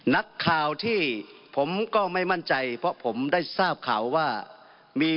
นักข่าวที่ผมก็ไม่มั่นใจเพราะผมได้ทราบข่าวว่ามี